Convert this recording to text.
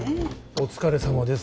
お疲れさまです